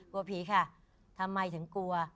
กลัวผีค่ะทำไมถึงกลัว